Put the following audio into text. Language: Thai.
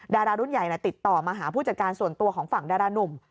ดารารุ่นใหญ่ติดต่อมาหาผู้จัดการส่วนตัวของฝั่งดารานุ่ม